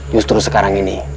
justru sekarang ini